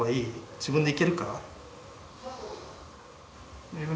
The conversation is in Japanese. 自分で行けるか？